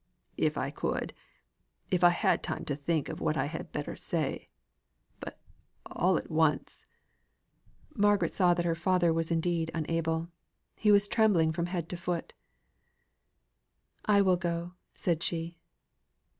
"If I could if I had time to think of what I had better say; but all at once " Margaret saw that her father was indeed unable. He was trembling from head to foot. "I will go," said she.